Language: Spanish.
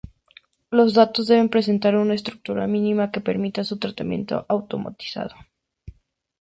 Los datos deben presentar una estructura mínima que permita su tratamiento automatizado.